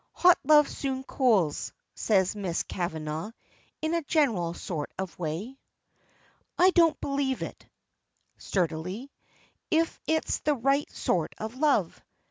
"Hot love soon cools," says Miss Kavanagh in a general sort of way. "I don't believe it," sturdily, "if it's the right sort of love.